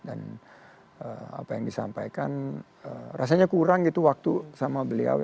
dan apa yang disampaikan rasanya kurang waktu sama beliau